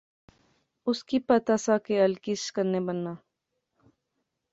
اس کی پتا سا کہ ہل کس کنے بنا